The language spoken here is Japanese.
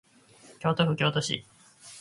京都府京都市